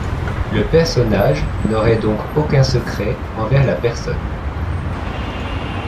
Le personnage n’aurait donc aucun secret envers la personne.